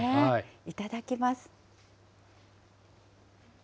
いただきます。